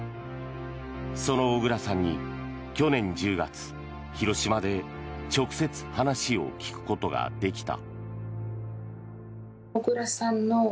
その小倉さんに去年１０月広島で直接話を聞くことができた。